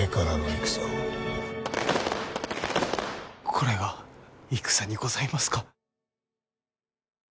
これが戦にございますか？